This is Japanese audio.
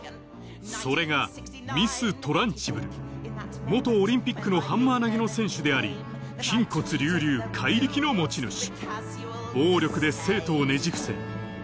それが元オリンピックのハンマー投げの選手であり筋骨隆々怪力の持ち主